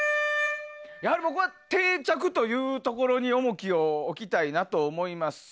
やはり僕は定着というところに重きを置きたいなと思います。